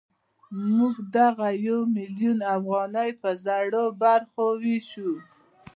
موږ دغه یو میلیون افغانۍ په زرو برخو وېشو